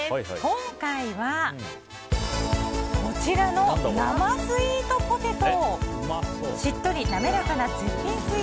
今回はこちらの生スイートポテト。